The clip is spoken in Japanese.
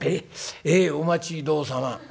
えお待ち遠さま」。